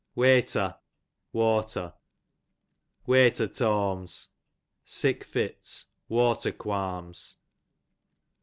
Wetur, water. Wetur tawms, sick fits, water qualms.